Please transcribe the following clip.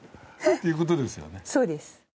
そうです。